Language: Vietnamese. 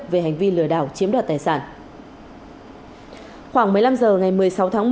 về hành vi lừa đảo chiếm đoàn